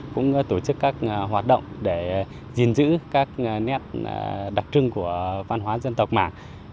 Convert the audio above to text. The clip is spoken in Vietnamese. cũng tổ chức các hoạt động để gìn giữ các nét đặc trưng của văn hóa dân tộc mạng